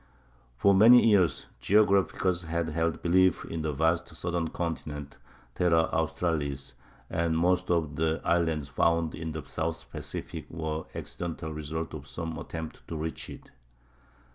For many years geographers had held belief in a vast "southern continent,"—Terra Australis,—and most of the islands found in the South Pacific were accidental results of some attempt to reach it.